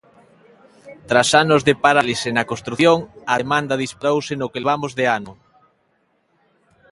Tras anos de parálise na construción, a demanda disparouse no que levamos de ano.